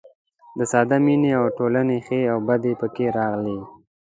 د ساده مینې او ټولنې ښې او بدې پکې راغلي.